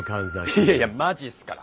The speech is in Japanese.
いやいやマジっすから！